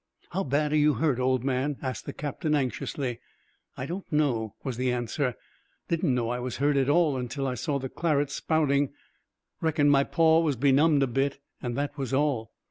"How bad are you hurt, old man?" asked the captain anxiously. "I don't know," was the answer. "Didn't know I was hurt at all until I saw the claret spouting; reckoned my paw was benumbed a bit, and that was all."